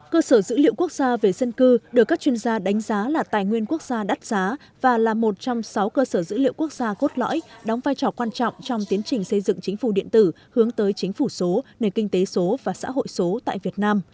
cơ sở dữ liệu quốc gia về dân cư được các chuyên gia đánh giá là tài nguyên quốc gia đắt giá và là một trong sáu cơ sở dữ liệu quốc gia cốt lõi đóng vai trò quan trọng trong tiến trình xây dựng chính phủ điện tử hướng tới chính phủ số nền kinh tế số và xã hội số tại việt nam